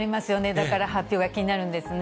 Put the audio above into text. だから、発表が気になるんですね。